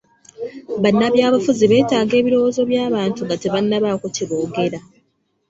Bannabyabufuzi beetaaga ebirowoozo by'abantu nga tebannabaako kye boogera.